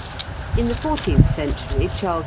In the fourteenth century, Charles V.